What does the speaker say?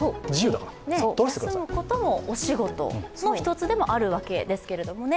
休むことも、お仕事の１つでもあるわけですけどもね。